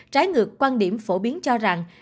trái ngược quan điểm phổ biến cho rằng